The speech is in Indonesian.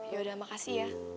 yaudah makasih ya